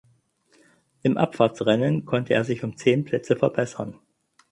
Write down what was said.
Im Abfahrtsrennen konnte er sich um zehn Plätze verbessern.